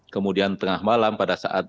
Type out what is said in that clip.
kemudian tengah malam pada saat